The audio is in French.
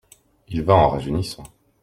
Il va en rajeunissant.